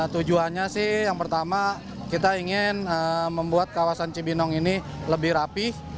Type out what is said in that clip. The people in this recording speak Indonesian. tujuannya sih yang pertama kita ingin membuat kawasan cibinong ini lebih rapih